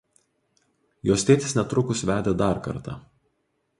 Jos tėtis netrukus vedė dar kartą.